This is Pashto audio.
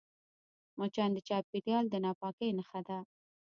مچان د چاپېریال د ناپاکۍ نښه ده